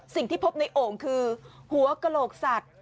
สิ่งที่พบในโอ่งคือหัวกระโหลกสัตว์